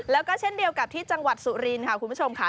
แล้วก็เช่นเดียวกับที่จังหวัดสุรินค่ะคุณผู้ชมค่ะ